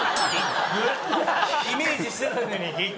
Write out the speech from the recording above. イメージしてたのに低っ。